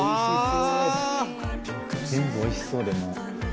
全部おいしそうでもう。